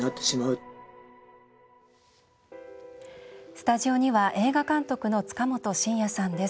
スタジオには映画監督の塚本晋也さんです。